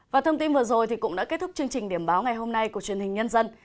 và thông tin vừa rồi cũng đã kết thúc chương trình điểm báo ngày hôm nay của truyền hình nhân dân